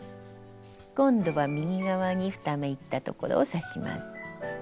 今度は右側に２目いったところを刺します。